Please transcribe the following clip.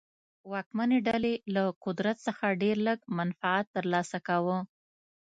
واکمنې ډلې له قدرت څخه ډېر لږ منفعت ترلاسه کاوه.